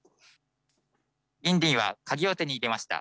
インディンは鍵を手に入れました。